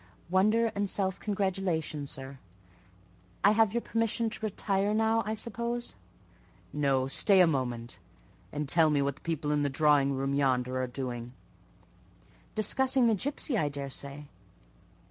"Wonder and self congratulation, sir. I have your permission to retire now, I suppose?" "No; stay a moment; and tell me what the people in the drawing room yonder are doing." "Discussing the gipsy, I daresay."